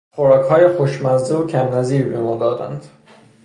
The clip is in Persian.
خوراکهای خوشمزه و کم نظیری به ما دادند.